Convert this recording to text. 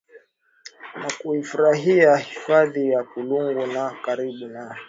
na kufurahia hifadhi ya kulungu na karibu na